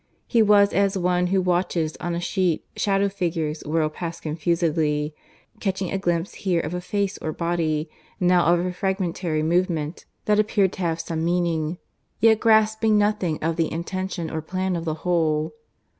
He was as one who watches on a sheet shadow figures whirl past confusedly, catching a glimpse here of a face or body, now of a fragmentary movement, that appeared to have some meaning yet grasping nothing of the intention or plan of the whole.